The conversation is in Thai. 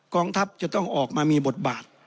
กองทัพจะต้องออกมามีบทบาท